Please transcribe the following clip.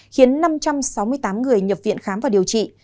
khiến năm trăm sáu mươi tám người nhập viện khám và điều trị